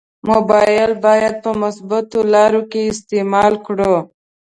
مبایل باید په مثبتو لارو کې استعمال کړو.